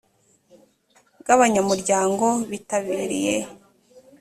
bw abanyamuryango bitabiriye inteko rusange